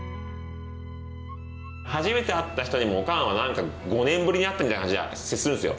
初めて会った人にもおかんはなんか５年ぶりに会ったみたいな感じで接するんですよ。